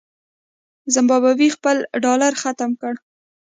زمبابوې خپل ډالر ختم کړ.